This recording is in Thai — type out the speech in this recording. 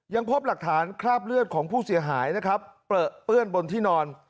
ยังพบหลักฐานคราบเลือดของผู้เสียหายนะครับเปลือเปื้อนบนที่นอน